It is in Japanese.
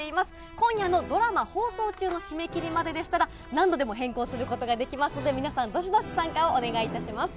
今夜のドラマ放送中の締め切りまででしたら、何度でも変更することができますので、皆さん、どしどし参加をお願いいたします。